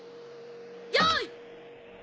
よい。